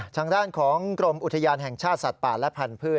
ทางด้านของกรมอุทยานแห่งชาติสัตว์ป่าและพันธุ์